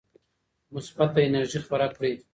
مثبته انرژي خپره کړئ.